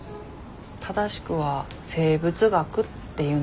正しくは生物学っていうんですけどね。